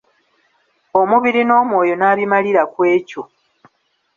Omubiri n'omwoyo n'abimalira ku ekyo.